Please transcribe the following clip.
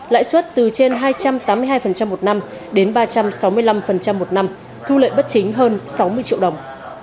lãi suất từ trên hai trăm tám mươi hai một năm đến ba trăm sáu mươi năm một năm thu lợi bất chính hơn sáu mươi triệu đồng